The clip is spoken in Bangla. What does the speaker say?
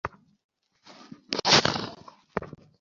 এটা সত্য নয়।